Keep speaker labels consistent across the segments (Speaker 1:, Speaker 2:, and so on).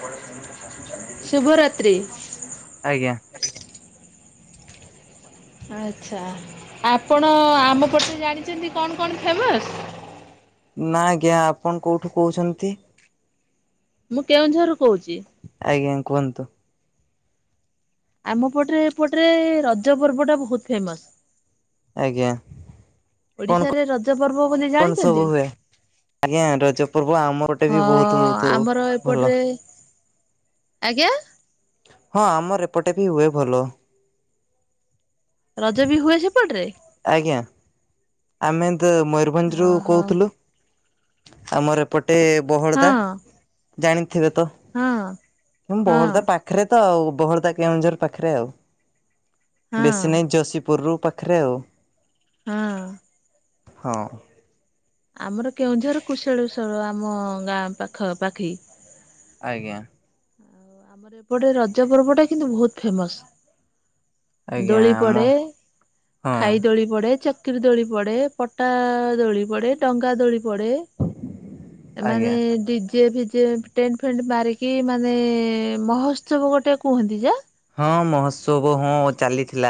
Speaker 1: ହଁ ଆଜ୍ଞା।
Speaker 2: ଶୁଭ ତ୍ରିରି।
Speaker 1: ଆଜ୍ଞା।
Speaker 2: ଆଛା ଆପଣ ଆମ ପଟରେ ଜାଣିଚନ୍ତି କଣ କଣ ଫେମସ୍?
Speaker 1: ନା ଆଜ୍ଞା ଆପଣ କୋଉଠୁ କହୁଚନ୍ତି?
Speaker 2: ମୁଁ କେଉଁଝରୁ କହୁଚି।
Speaker 1: ଆଜ୍ଞା କୁହନ୍ତୁ?
Speaker 2: ଆମ ପଟରେ ଏପଟେ ରଜ ପର୍ବ ଟା ବୋହୁତ ଫେମସ।
Speaker 1: ଆଜ୍ଞା। କଣ
Speaker 2: ଓଡ଼ିଶାରେ ରଜ ପର୍ବ ବୋଲି
Speaker 1: କଣ ସବୁ
Speaker 2: ଜାଣିଚନ୍ତି?
Speaker 1: ହୁଏ ଆଜ୍ଞା ରଜ ପର୍ବ ଆମପଟେ ବି ବହୁତ
Speaker 2: ହଁ
Speaker 1: ବହୁତ
Speaker 2: ଆମର
Speaker 1: ଭଲ।
Speaker 2: ଏପଟରେ ଆଜ୍ଞା।
Speaker 1: ହଁ ଆମର ଏରେପଟେ ବି ହୁଏ ଭଲ।
Speaker 2: ରଜ ବି ହୁଏ ସେପଟରେ?
Speaker 1: ଆଜ୍ଞା ଆମେ ତ ମୟୂରଭଞ୍ଜରୁ
Speaker 2: ଓହୋ
Speaker 1: କୋଉଥିଲୁ ଆମର ଏ ପଟେ
Speaker 2: ହଁ
Speaker 1: ବହଳଦା ଜାଣିଥିବେ ତ?
Speaker 2: ହଁ ହଁ।
Speaker 1: ବହରଦା
Speaker 2: ହଁ
Speaker 1: ପାଖରେ ତ ଆଉ ବହରଦା କେଉଁଝର ପାଖରେ ଆଉ ବେଶୀ ନାହିଁ ଯଶୀପୁରରୁ ପାଖରେ ଆଉ
Speaker 2: ହୁଁ।
Speaker 1: ହଁ।
Speaker 2: ଆମର କେଉଁଝର କୁଶଳେସ୍ୱର ଆମ ଗାଁ ପାଖ ପାଖି।
Speaker 1: ଆଜ୍ଞା।
Speaker 2: ଆମର ଏପଟେ ରଜ ପର୍ବ ଟା କିନ୍ତୁ ବୋହୁତ ଫେମସ।
Speaker 1: ଆଜ୍ଞା
Speaker 2: ଦୋଳି
Speaker 1: ଆମ
Speaker 2: ପଡେ
Speaker 1: ହଁ
Speaker 2: ଖାଇ ଦୋଳି ପଡେ ଚ କିରି ଦୋଳି ପଡେ ପଟା ଦୋଳି ପଡେ ଟଡଙ୍ଗା ଦୋଳି ପଡେ।
Speaker 1: ଆଜ୍ଞା
Speaker 2: ମାନେ ଡିଯେ ଫିଯେ ଟେଣ୍ଟେ ଫେଣ୍ଡେ ମାରିକି ମାନେ ମହୋତ୍ସବ ଗୋଟେ କୁହନ୍ତି ଯେ
Speaker 1: ହଁ ମହୋତ୍ସବ ହଁ ଚାଲିଥିଲା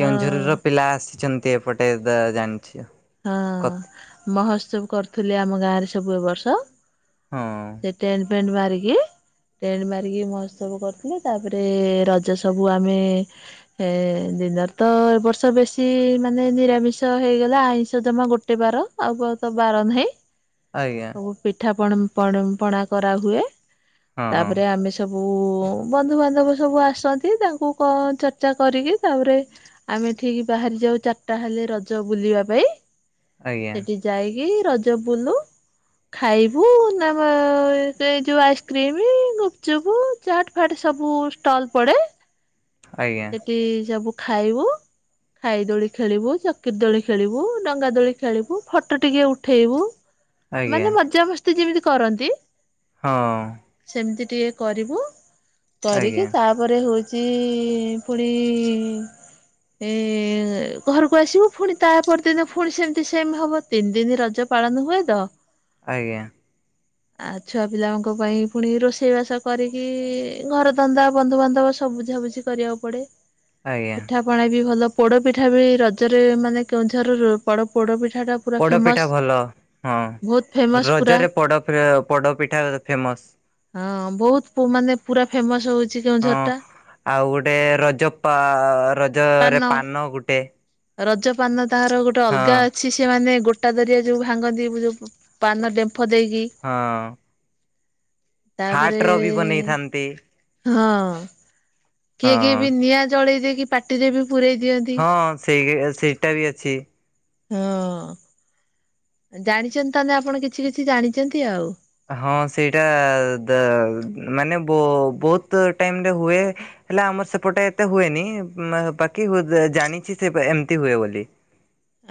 Speaker 2: ହଁ
Speaker 1: କେଉଁଝରର ପିଲା ଆସିଛନ୍ତି। ତୀ ଏପଟେଦ ଜାଣିଛି ଆଉ
Speaker 2: ହଁ ମହୋତ୍ସବ କରୁଥିଲି ଆମ ଗାଁରେ ସବୁ ଏ ବର୍ଷ।
Speaker 1: ହଁ।
Speaker 2: ସେ ଟେଣ୍ଟେ ଫେଣ୍ଡ ମରିକି ଟେଣ୍ଡ ମାରିକି ମହୋତ୍ସବ କରିଥିଲେ ତାପରେ ରଜ ସବୁ ଆମେ ହେ ଦିନରେ ତ ଏବ ବର୍ଷ ବେଶୀ ମାନେ ନିରାମିଷ ହେଇଗଲା ଆଇଁଷି ଜମା ଗୋଟେ ବାର ଆଉ ତ ବାର ନାହିଁ।
Speaker 1: ଆଜ୍ଞା।
Speaker 2: ସବୁ ପିଠା ପଣ ପଡ଼ ପଣା କରାହୁଏ
Speaker 1: ହଁ
Speaker 2: ତାପରେ ଆମେ ସ ସବୁ ବନ୍ଧୁବାନ୍ଧବ ସବୁ ଆସନ୍ତି ତାଙ୍କୁ କ ଚର୍ଚ୍ଚା କରିକି ତାପରେ ଆମେ ଠିକ୍ ବାହାରି ଯାଉ ଚାରିଟା ହେଲେ ରଜ ବୁଲିବା ପାଇଁ।
Speaker 1: ଆଜ୍ଞା
Speaker 2: ସେଠି ଯାଇକି ରଜ ବୁଲୁ। ଖାଇବୁ ନା ମ ଏ ସେ ଯୋଉ ଆଇସ୍କ୍ରିମ ଗୁପଚୁପୁ। ଚାଟ୍ ଫାଟ ସବୁ ଷ୍ଟଲ ପଡେ।
Speaker 1: ଆଜ୍ଞା।
Speaker 2: ଇ ସବୁ ଖାଇବୁ ଖାଇ ଦୋଳି ଖେଳିବୁ ଚକିରି ଦୋଳି ଖେଳିବୁ। ଡଙ୍ଗା ଦୋଳି ଖେଳିବୁ ଫଟୋ ଟିକେ ଉଠେଇବୁ
Speaker 1: ଆଜ୍ଞା
Speaker 2: ମାନେ ମଜାମସ୍ତି ଯେମିତି କରନ୍ତି।
Speaker 1: ହଁ।
Speaker 2: ସେମିତି ଟିକିଏ କରିବୁ କରିକି
Speaker 1: ଆଜ୍ଞା
Speaker 2: ତାପ ଘରେ ହଉଛି ଫୁଣି ଏ ଘରକୁ ଆସିବୁ ଫୁଣି ତାପର ଦିନେ ଫୁଣି ସେମିତି ସେମ୍ ହବ ତିନି ଦିନ ରଜ ପାଳନ ହୁଏ ତ
Speaker 1: ଆଜ୍ଞା।
Speaker 2: ହ [unintelligible] ଆ ଛୁଆ ପିଲାଙ୍କ ପାଇଁ ପୁଣି ରୋଷେଇ ବାସ କରିକି ଘର ଧନ୍ଦା ବନ୍ଧୁବାନ୍ଧବ ସବ ବୁଝାବୁଝି କରିବାକୁ ପଡେ
Speaker 1: ଆଜ୍ଞା
Speaker 2: ପିଠା ପଣା ବି ଭଲ ପୋଡ ପିଠା ବି ରଜରେ ମାନେ କେ- ଝରରୁ ପଡ଼ ପୋଡ ପିଠା ଟା ପୁରା
Speaker 1: ପୋଡପିଠା
Speaker 2: ଫେମସ
Speaker 1: ଭଲ ହଁ
Speaker 2: ବହୁତ ଫେମସ ପୁରା
Speaker 1: ରଜରେ ପୋଡପିଠା ଫେମସ‌।
Speaker 2: ହଁ ବହୁତ ପୁ ମାନେ ପୁରା ଫେମସ ହଉଛି କେଉଁଝର
Speaker 1: ହଁ।
Speaker 2: ଟା।
Speaker 1: ଆଉ ଗୋଟେ ରଜ ପା ରଜରେ ପାନ ଗୋଟେ।
Speaker 2: ରଜ ପାନ ତାହାର ଗୋଟେ ଅଲଗା
Speaker 1: ହଁ।
Speaker 2: ଅ ଅଛି ସେମାନେ ଗୋଟା ଦରିଆ ଯଉ ଭାଙ୍ଗନ୍ତି ଯଉ ପାନ ଡେମ୍ଫ ଦେଇକି।
Speaker 1: ହଁ। ହାର୍ଟ
Speaker 2: ତାପରେ
Speaker 1: ର ବି ବନେଇଥାନ୍ତି
Speaker 2: ହଁ। କିଏ- କିଏ
Speaker 1: ହଁ
Speaker 2: ବି ନିଆଁ ଜଳେଇ ଦେଇକି ପାଟିରେ ବି ପୁରେଇ ଦିଅନ୍ତି।
Speaker 1: ହଁ ସେଇଏ ଏ ସେଟା ବି ଅଛି।
Speaker 2: ହଁ। ଜାଣିଛନ୍ତି ତାହେଲେ ଆପଣ କିଛି -କିଛି ଜାଣିଛନ୍ତି ଆଉ।
Speaker 1: ହଁ ସେଇଟା ଦ ମାନେ ବ ବହୁତ ଟାଇମରେ ହୁଏ। ହେଲା ଆମର ସେପଟା ଏତେ ହୁଏନି ବାକି ଗୁ ଯେ ଜାଣିଛି ସେ ଏମିତି ହୁଏ ବୋଲି।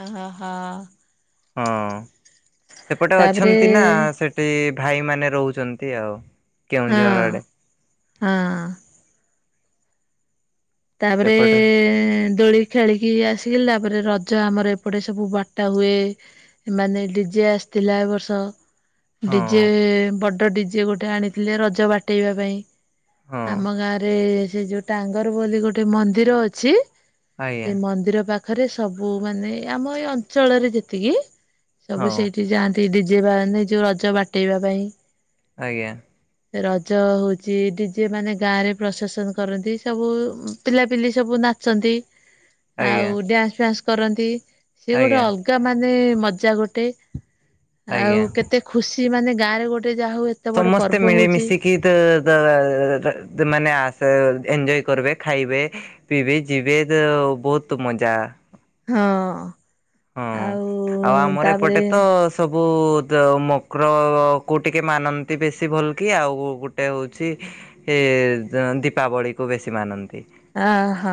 Speaker 2: ଅହ ହ।
Speaker 1: ହଁ, ସେପଟେ
Speaker 2: ତାପରେ
Speaker 1: ଅଛନ୍ତି ନା ସେ ସେ ଭାଇ ମାନେ ରହୁଛନ୍ତି ଆଉ
Speaker 2: ହଁ
Speaker 1: କେଉଁଝର ଆଡେ।
Speaker 2: ହଁ। ତାପରେ
Speaker 1: ସେପଟରେ
Speaker 2: ଦୋଳି। ଖେଳିକି ଆସିଗିଲା ପରେ ରଜ ଆମର ଏପଟେ ସବୁ ବାଟା ହୁଏ। ଏ ମାନେ ଡିଜେ ଆସିଥିଲା ଏ ବର୍ଷ।
Speaker 1: ହଁ
Speaker 2: ଡିଜେ ବଡ ଡିଜେ ଗୋଟେ ଆଣିଥିଲେ ରଜ ବାଟେଇବା ପାଇଁ।
Speaker 1: ହଁ
Speaker 2: ଆମ ଗାଁ ରେ ସେ ଯୋଉ ଟାଙ୍ଗର ବୋଲି ଗୋଟେ ମନ୍ଦିର ଅଛି।
Speaker 1: ଆଜ୍ଞା
Speaker 2: ସେ ମନ୍ଦିର ପାଖରେ ସବୁ ମାନେ ଆମ ଏଇ ଅଞ୍ଚଳରେ ଯେତିକି।
Speaker 1: ହଁ
Speaker 2: ସବୁ ସେଇଠି ଯାଆନ୍ତି ଡିଜେ ବା ନି ଯୋଉ ରଜ ବାଟେଇବା ପାଇଁ।
Speaker 1: ଆଜ୍ଞା।
Speaker 2: ରଜ ହଉଚି ଡିଜେ ମାନେ ଗାଁ ରେ ପ୍ରଶସନ କରନ୍ତି। ସବୁ ପିଲାପିଲି ସବୁ ନାଚନ୍ତି, ଆଉ
Speaker 1: ଆଜ୍ଞା
Speaker 2: ଡ୍ୟାନ୍ସ ଫ୍ୟାନ୍ସ କରନ୍ତି। ସେ ଗୋଟେ
Speaker 1: ଆଜ୍ଞା
Speaker 2: ଅଲଗା ମାନେ ମଜା ଗୋଟେ। ଆଉ
Speaker 1: ଆଜ୍ଞା।
Speaker 2: କେତେ ଏତେ ଖୁସି ମାନେ, ଗାଁରେ ଗୋଟେ ଯା ହଉ ଏ
Speaker 1: ସମସ୍ତେ ମିଳିମିଶିକି ତ [unintelligible] ମାନେ ଆସ ଏଞ୍ଜୟ କରିବେ ଖାଇବେ ପିିବି ଯିବେ ତ ବହୁତ ମଜା ହ
Speaker 2: ହଁ।
Speaker 1: ହଁ ଆଉ ଆମର ଏପଟେ ତ- ସବୁ ଦ -ମକରକୁ ଟିକେ ମାନନ୍ତି ବେଶୀ ଭଲ୍ କି ଆଉ ଗୋଟେ ହେଉଛି। ଏ ଦ ଦୀପାବଳି କୁ ବେଶୀ ମାନନ୍ତି।
Speaker 2: ଅ ହୋ।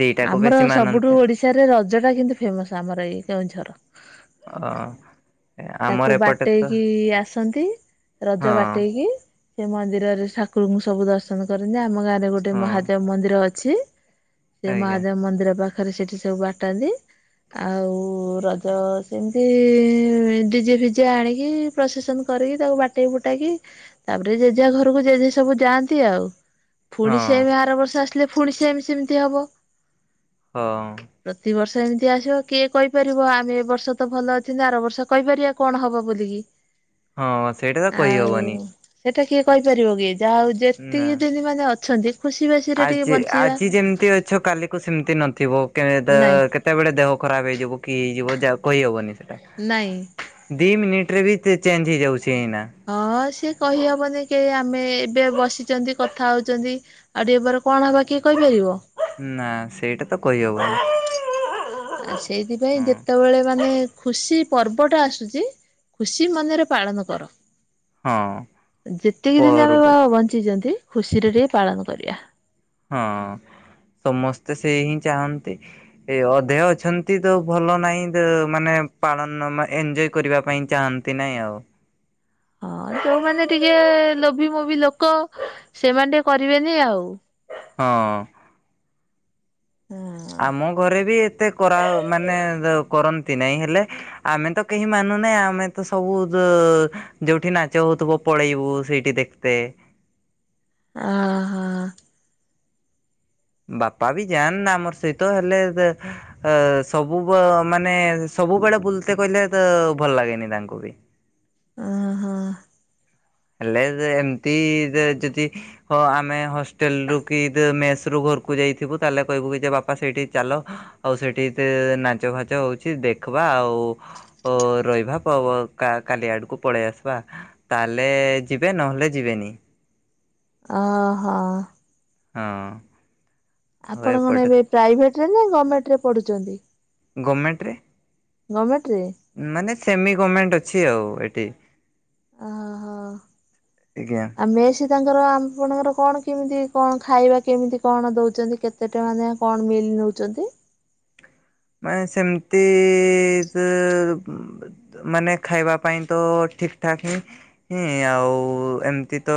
Speaker 1: ଦିଟାକୁ
Speaker 2: ଆମର
Speaker 1: ବେଶୀ
Speaker 2: ସବୁଠୁ
Speaker 1: ମାନନ୍ତି
Speaker 2: ଓଡିଶାରେ ରଜ ଟା କିନ୍ତୁ ଫେମସ ଆମର ଏଇ କେଉଁଝର।
Speaker 1: ଅ [unintelligible] ଆମର
Speaker 2: ତାକୁ
Speaker 1: ଏପଟେ ତ
Speaker 2: ବାଟେଇକି ଆସନ୍ତି ରଜ
Speaker 1: ହଁ।
Speaker 2: ବାଟେଇକି। ସେ ମନ୍ଦିରରେ ଠାକୁରଙ୍କୁ ସବୁ ଦର୍ଶନ କରନ୍ତି। ଆମ ଗାଁ ରେ ଗୋଟେ
Speaker 1: ହଁ
Speaker 2: ମହାଦେବ ମନ୍ଦିର ଅଛି। ସେ
Speaker 1: ଆଜ୍ଞା
Speaker 2: ମହାଦେବ ମନ୍ଦିର ପାଖ ପାଖରେ ସେଠି ସବୁ ବାଟାନ୍ତି। ଆଉ ରଜ ସେମିତି ଡିଜେ ଫିଜେ ଆଣିକି ପ୍ରୋସେସନ କରିକି ତାକୁ ବାଟେଇ ଫୁଟାଇକି ତାପରେ ଜେଜା ଘରକୁ ଜେଜେ ସବୁ ଯାଆନ୍ତି ଆଉ। ଫୁଣି ସେ
Speaker 1: ହଁ
Speaker 2: ଏମ ଆର ବର୍ଷ ଆସିଲେ ଫୁଣି ସେ ଏମି ସେମିତି ହବ।
Speaker 1: ହଁ।
Speaker 2: ପ୍ରତିିବର୍ଷ ଏମିତି ଆସିବ। କିଏ କହିପାରିବ ଆମେ ଏ ବର୍ଷ ତ ଭଲ ଅଛନ୍ତି ଆର ବର୍ଷ। କହିପାରିବା କଣ ହବ ବୋଲିକି
Speaker 1: ହଁ ସେଇଟା ତ କହିହବନି
Speaker 2: ଆଉ। ସେଇଟା କିଏ କହିପାରିବ କି ଯାହା ହଉ
Speaker 1: ନା।
Speaker 2: ଯେତିକି ଦିନି ମାନେ ଅଛନ୍ତି। ଖୁସି ବାସିରେ ଟିକେ ବଞ୍ଚିବା।
Speaker 1: ଛ କାଲିକୁ ସେମିତି ନଥିବ କେ- ତ -
Speaker 2: ନାଇଁ
Speaker 1: କେ କେତେବେଳେ ଦେହ ଖରାପ ହେଇଯିବ କି ହେଇଯିବ ଯେ ଆଉ କହିହବନି ସେଇଟା।
Speaker 2: ନାଇଁ।
Speaker 1: ଦି ମିନିଟିରେ ବି ଚେ ଚେଞ୍ଜ ହେଇଯାଉଛି ଏଇନା।
Speaker 2: ହ ହଁ ସିଏ କହିହବନି କେ ଆମେ ଏବେ ବସିଛନ୍ତି କଥା ହଉଛନ୍ତି। ଆଉ ଟିକେ ପରେ କଣ ହବ କିଏ କହିପାରିବ।
Speaker 1: ନା ସେଇଟା ତ କହିହେବନି।
Speaker 2: ଆଉ ସେଇଥିପାଇଁ ଯେତେବେଳେ ମାନେ ଖୁସି ପର୍ବ ଟା ଆସୁଛି। ଖୁସି ମନରେ ପାଳନ କର।
Speaker 1: ହଁ।
Speaker 2: ଯେତିକି ଦିନି ଆମେ ବ
Speaker 1: ପର୍ବ
Speaker 2: ବଞ୍ଚିଛନ୍ତି ଖୁସିରେ ଟିକେ ପାଳନ କରିବା।
Speaker 1: ହଁ ସମସ୍ତେ ସେଇ ହିଁ ଚାହାନ୍ତି। ଏ ଅଧେ ଅଛନ୍ତି ତ ଭଲ ନାହିଁ ତ ମାନେ ପାଳନ ମା ଏଞ୍ଜୟ କରିବା ପାଇଁ ଚାହାନ୍ତି। ଥି ନାଇଁ ଆଉ।
Speaker 2: ହଁ ଯୋଉମାନେ ଟିକେ ଲୋଭି ମୋଭି ଲୋକ ସେମାନେ ଟିକେ କରିବେନି ଆଉ।
Speaker 1: ହଁ।
Speaker 2: ହଁ।
Speaker 1: ଆମ ଘରେ ବି ଏତେ କରାଅ ମାନେ କରନ୍ତି ନାଇଁ ହେଲେ। ଆମେ ତ କେହି ମାନୁନେ ଆମେ ତ ସବୁ ତ ଯୋଉଠି ନାଚ ହଉଥିବ ପଳେଇବୁ ସେଇଠି ଦେଖ ସେ
Speaker 2: ଓହୋ।
Speaker 1: ବାପା ବି ଯାନ୍ ନା ଆମର ସହିତ ହେଲେ ଯେ ତ ସବୁ ବ ମାନେ ସବୁବେଳେ ବୁଲିତେ କହିଲେ ତ ଭଲ ଲାଗେନି ତାଙ୍କୁ ବି।
Speaker 2: ଓ ହୋ।
Speaker 1: ହେଲେ ଯେ ଏମିତି ଯେ ଯେଦି ହଁ ଆମେ ହଷ୍ଟେଲ ରୁ କି ଦ ମେସ ରୁ ଘରକୁ ଯାଇଥିବୁ ତାହେଲେ କହିବୁ କି ଯେ ବାପା ସେଇଠି ଚାଲ ଆଉ ସେଠି ତେ ନାଚ ଫାଚ ହଉଛି ଦେଖବା ଆଉ ଓ ରହିବା ପ ବ କା କାଲି ଆଡକୁ ପଳେଇ ଆସିବା। ହେଲେ ଯିବେ ନହେଲେ ଯିବେନି।
Speaker 2: ଅ ହଁ।
Speaker 1: ହଁ। ଆଉ
Speaker 2: ଆପଣ କଣ
Speaker 1: ଏପଟେ
Speaker 2: ଏବେ ପ୍ରାଇଭେଟ ରେ ନା ଗମେଣ୍ଟ ରେ ପଢୁଚନ୍ତି?
Speaker 1: ଗମେଣ୍ଟରେ।
Speaker 2: ଗମେଣ୍ଟ ରେ।
Speaker 1: ମାନେ ସେମି ଗମେଣ୍ଟ ଅଛି ଆଉ ଏଠି।
Speaker 2: ଓହ
Speaker 1: ଆଜ୍ଞା।
Speaker 2: ଆଉ ମେସେ ଛୁଆଙ୍କର ଆମ୍ପଣଙ୍କର କଣ କିମିତି କଣ ଖାଇବା କେମିତି କଣ ଦଉଛନ୍ତି କେତେ? ଟଙ୍କା ନେଖା କଣ ମିଲ ନୋଉଛନ୍ତି?
Speaker 1: ମାନେ ସେମିତି ତ ମାନେ ଖାଇବା ପାଇଁ ତ ଠିକ ଠାକେ ହିଁ ଆଉ ଏମତି ତ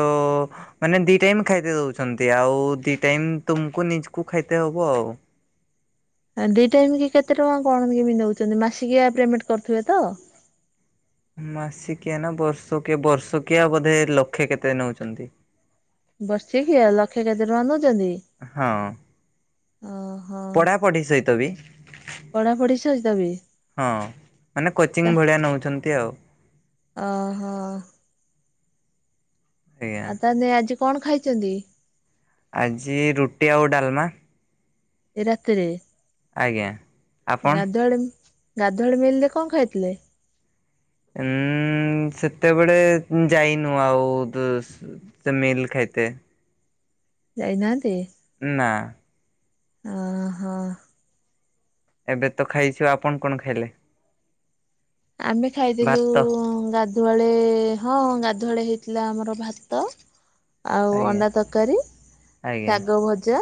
Speaker 1: ମାନେ ଦି ଟାଇମ ଖାଇତେ ଦୋଉଛନ୍ତି ଆଉ ଦି ଟାଇମ ତୁମୂକୁ ନିଜକୁ ଖାଇତେ ହବ ଆଉ।
Speaker 2: ଦି ଟାଇମ କି କେତେ ଟଙ୍କା କଣ ମିଲ୍ ନଉଛନ୍ତି ମାସିକିଆ ପେମେଣ୍ଟ କରୁଥିବେ ତ?
Speaker 1: ମାସିକିଆ ନା ବର୍ଷକେ ବର୍ଷକିଆ ବୋଧେ ଲକ୍ଷେ କେତେ ନୋଉଛନ୍ତି।
Speaker 2: ବର୍ଷିକିଆ ଲକ୍ଷେ କେତେ ଟଙ୍କା ନୋଉଛନ୍ତି।
Speaker 1: ହଁ ପଢାପଢି ସହିତ ବି।
Speaker 2: ଟିସନ୍ ସ ବି।
Speaker 1: ହଁ ମାନେ
Speaker 2: ତା
Speaker 1: କୋଚିଂ ଭଳିଆ ନୋଉଛନ୍ତି ଆଉ।
Speaker 2: ଓହୋ।
Speaker 1: ଆଜ୍ଞା।
Speaker 2: ଆ ତାହେଲେ ଆଜି କଣ ଖାଇଚନ୍ତି?
Speaker 1: ଆଜି ରୁଟି ଆଉ ଡାଲମା।
Speaker 2: ଏ ରାତିରେ
Speaker 1: ଆଜ୍ଞା ଆପଣ?
Speaker 2: ଗାଧୁଆଳେ ଗାଧୁଆଳେ ମିଲ୍ ରେ କଣ ଖାଇଥିଲେ।
Speaker 1: ଉଁ ସେତେବେଳେ ଉଁ ଯାଇନୁ ଆଉ ଦୁସ୍ ସେ ମୀଲ୍ ଖାଇତେ।
Speaker 2: ଯାଇନାହାନ୍ତି।
Speaker 1: ନା।
Speaker 2: ଓହୋ।
Speaker 1: ଏବେ ତ ଖାଇଚୁ ଆପଣ କଣ ଖାଇଲେ।
Speaker 2: ଆମେ ଖାଇଥିଲୁ
Speaker 1: ଭାତ
Speaker 2: ଗା ଧୁଆଳେ ହଁ ଗାଧୁଆଳେ ହେଇଥିଲା ଆମର ଭାତ ଆଉ
Speaker 1: ଆଜ୍ଞା
Speaker 2: ଅଣ୍ଡା ତରକାରୀ
Speaker 1: ଆଜ୍ଞା
Speaker 2: ଶାଗ ଭଜା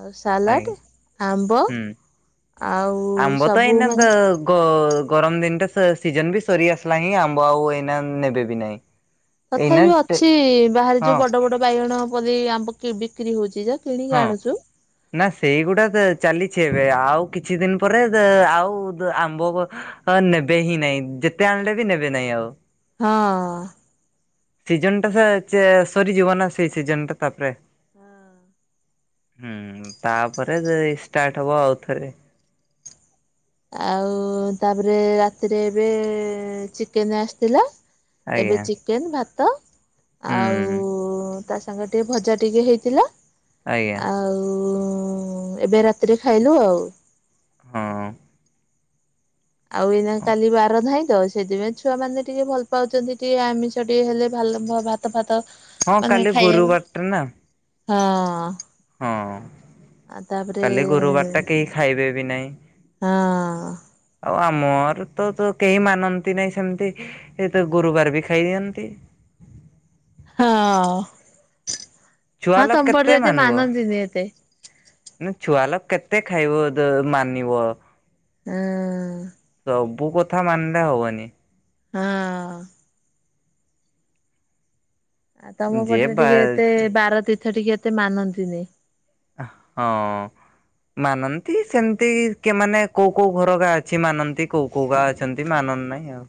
Speaker 2: ଆଉ
Speaker 1: ଆଜ୍ଞା
Speaker 2: ସାଲାଟ ଆମ୍ବ
Speaker 1: ହୁଁ।
Speaker 2: ଆଉ
Speaker 1: ଆମ୍ବ ତ
Speaker 2: ସବୁ
Speaker 1: ଏଇନା ତ
Speaker 2: ମାନେ
Speaker 1: ଗ ଗରମ ଦିନଟା ସ ସିଜିନ ବି ସରି ଆସିଲା ହିଁ ଆମ୍ବ ଆଉ ଏଇନା ନେବେ ବି ନାହିଁ। ଏଇନା
Speaker 2: ତଥାପି ଅଛି ବାହାରେ
Speaker 1: ହଁ
Speaker 2: ଯୋଉ ବଡ ବଡ ବାଇଗଣ ପଲେଇ ଆମ୍ବ କି ବିକ୍ରି ହଉଚି ଯେ। କିଣିକି
Speaker 1: ହଁ।
Speaker 2: ଆଣୁଚୁ।
Speaker 1: ନା ସେଇଗୁଡା ତ ଚାଲିଛି ଏବେ ଆଉ କିଛି ଦିନ ପରେ ଆଉ ଆମ୍ବବ ହଁ ନେବେ ହିଁ ନାଇଁ ଯେତେ ଆଣିଲେ ବି ନେବେ ନାହିଁ ଆଉ।
Speaker 2: ହଁ।
Speaker 1: ସିଜନ ଟା ସେ ଚେ ସରିଯିବ ନା ସେଇ ସିଜନ ଟା ତାପରେ।
Speaker 2: ହଁ।
Speaker 1: ହୁଁ ତାପରେ ଯେ ଷ୍ଟାର୍ଟ ହବ ଆଉଥରେ।
Speaker 2: ଆଉ ତାପରେ ରାତିରେ ଏବେ ଚିକେନ ଆସିଥିଲା। ଏବେ
Speaker 1: ଆଜ୍ଞା
Speaker 2: ଚିକେନ ଭାତ ଆଉ
Speaker 1: ହୁଁ।
Speaker 2: ତା ସାଙ୍ଗେ ଟିକେ ଭଜା ଟିକେ ହେଇଥିଲା
Speaker 1: ଆଜ୍ଞା
Speaker 2: ଆଉ ଏବେ ରାତିରେ ଖାଇଲୁ ଆଉ।
Speaker 1: ହଁ।
Speaker 2: ଆଉ ଏଇନା
Speaker 1: ହଁ
Speaker 2: କାଲି ବାର ନାହିଁ ତ। ସେଥିପାଇଁ ଛୁଆ ମାନେ ଟିକେ ଭଲ ପାଉଚନ୍ତି ଟିକେ ଆମିଷ ଟିକେ ହେଲେ ଭଲ ଭାତ ଫାତ
Speaker 1: ହଁ
Speaker 2: ମାନେ
Speaker 1: କାଲି ଗୁରୁବାର ଟା ନା
Speaker 2: ଖାଇବାକୁ ହଁ।
Speaker 1: ହଁ
Speaker 2: ଆଉ ତାପରେ
Speaker 1: କାଲି ଗୁରୁବାର ଟା କେହି ଖାଇବେ ବି ନାଇଁ।
Speaker 2: ହଁ
Speaker 1: ଆଉ ଆମର ତ ତ କେହି ମାନନ୍ତି ନାହିଁ ସେମିତି। ଏଇ ତ ଗୁରୁବାର ବି ଖାଇ ଦିଅନ୍ତି।
Speaker 2: ହଁ
Speaker 1: ଛୁଆ
Speaker 2: ହଁ
Speaker 1: ଲୋକ
Speaker 2: ତମପରେ
Speaker 1: କେତେ
Speaker 2: ଏତେ
Speaker 1: ମାନିବ
Speaker 2: ମାନନ୍ଦିନୀ ଏତେ।
Speaker 1: ନା ଛୁଆ ଲୋକ କେତେ ଖାଇବ ଦ ମାନିବ।
Speaker 2: ଉଁ।
Speaker 1: ସବୁ କଥା ମାନିଲେ ହବନି।
Speaker 2: ହଁ। ଆ ତମ
Speaker 1: ଯେ
Speaker 2: ପଟରେ
Speaker 1: ବା
Speaker 2: ଟିକେ ଏତେ ବାର ତୀର୍ଥ ଟିକେ ଏତେ ମାନନ୍ତିନି।
Speaker 1: ହଁ। ମାନନ୍ତି ସେମିତି କି ମାନେ କୋଉ କୋଉ ଘରକା ଅଛି ମାନନ୍ତି କୋଉ କୌହା ଅଛନ୍ତି ମାନନ୍ଦ ନାଇଁ ଆଉ।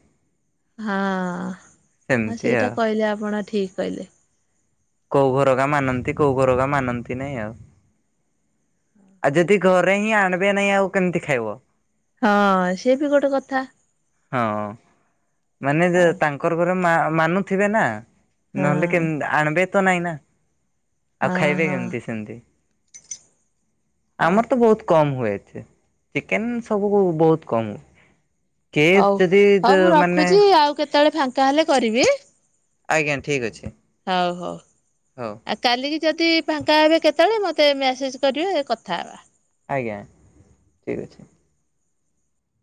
Speaker 2: ହଁ ହଁ
Speaker 1: ସେମିତି
Speaker 2: ସେଇଟା
Speaker 1: ଆଉ।
Speaker 2: କହିଲେ ଆପଣ ଠିକ୍ କହିଲେ।
Speaker 1: କୋଉ ଘରରା ମାନନ୍ତି କୋଉ ଘରରା ମାନନ୍ତି ନାଇଁ ଆଉ। ଆଉ ଯଦି ଘରେ ହିଁ ଆଣିବେ ନାଇଁ ଆଉ କେମିତି ଖାଇବ?
Speaker 2: ହଁ ସେ ବି ଗୋଟେ କଥା।
Speaker 1: ହଁ ମାନେ
Speaker 2: ହଉ
Speaker 1: ତାଙ୍କର ଘରେ ମା ମାନୁଥିବେ ନା
Speaker 2: ହଁ
Speaker 1: ନହେଲେ କେମତି ଆଣିବେ ତ ନାଇଁ ନା ଆଉ
Speaker 2: ହଁ
Speaker 1: ଖାଇବେ
Speaker 2: ହଁ
Speaker 1: କେମିତି ସେମିତି।
Speaker 2: ହଉ
Speaker 1: ଆମର ତ ବହୁତ କମ ହୁଏଏଠି ଚିକେନ ସବୁକୁ ବହୁତ କମହୁ
Speaker 2: ହଉ ହଉ ମୁଁ
Speaker 1: ମାନେ
Speaker 2: ରଖୁଚି ଆଉ କେତେବେଳେ ଫାଙ୍କା ହେଲେ କରିବି।
Speaker 1: ଆଜ୍ଞା ଠିକ୍ ଅଛି।
Speaker 2: ହଉ ହଉ
Speaker 1: ହଉ
Speaker 2: ଆ କାଲିକି ଯଦି ଫାଙ୍କା ହେବେ କେତେବେଳେ ମତେ ମେସେଜ କରିବେ କଥା ହେବା।
Speaker 1: ଆଜ୍ଞା ଠିକ୍ ଅଛି।